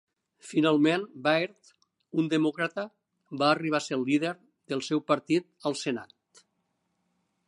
Finalment, Byrd, un demòcrata, va arribar a ser el líder del seu partit al Senat.